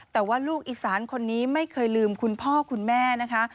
แต่ว่าลูกอีสานคนนี้ไม่เคยลืมคุณพ่อคุณแม่นะคะ